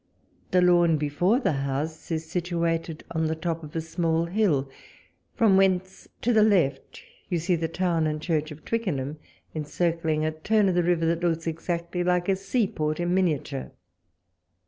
The lawn before the house is situated on the top of a small hill, from whence to the left you see the town and church of Twickenham encircling a turn of the river, that looks exactly like a seaport in miniature.